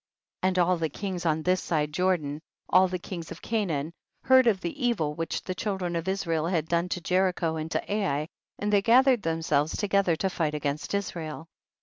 49. And all the kings on this side Jordan, all the kings of Canaan, heard of the evil which the children of Israel had done to Jericho and to Ai, and they gathered themselves to gether to fight against Israel.